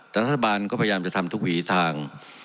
ทัศนาทัศน์บ้านก็พยายามทำทุกหวีทาง